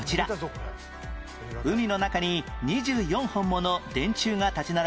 海の中に２４本もの電柱が立ち並ぶ